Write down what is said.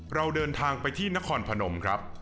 เราเดินทางไปที่นครพนมครับ